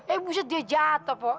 eh buset dia jatuh pok